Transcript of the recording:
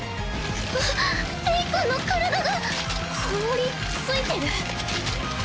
あっレイ君の体が凍りついてる？